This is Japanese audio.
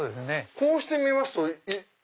こうして見ますと。